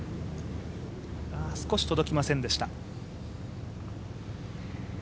少し届きませんでした。